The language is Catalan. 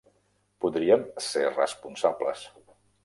Podríem ser responsables.